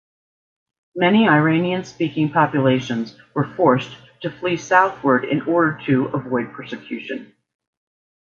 Many Iranian-speaking populations were forced to flee southwards in order to avoid persecution.